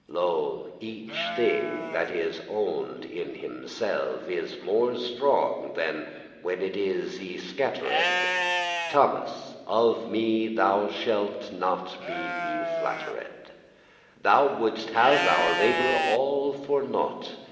Lo, each thing that is oned* in himselve *made one, united Is more strong than when it is y scatter'd. Thomas, of me thou shalt not be y flatter'd, Thou wouldest have our labour all for nought.